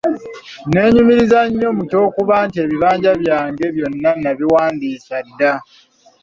Nneenyumiriza nnyo mu ky'okuba nti ebibanja byange byonna nabiwandiisa dda.